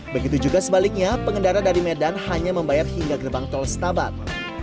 begitu juga sebaliknya pengendara dari medan hanya membayar hingga gerbang tol setabat